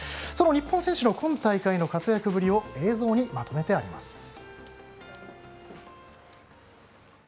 その日本選手の今大会の活躍ぶりを映像にまとめてあります。